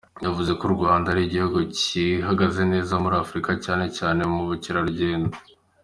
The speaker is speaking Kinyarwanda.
Yavuze ko u Rwanda ari igihugu gihagaze neza muri Afurika cyane cyane mu bukerarugendo.